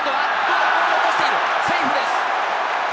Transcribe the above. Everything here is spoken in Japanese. セカンドはボールを落としているセーフです。